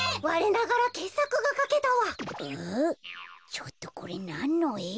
ちょっとこれなんのえ？